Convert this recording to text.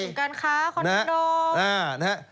ศูนย์การค้าเฉลิมลาบ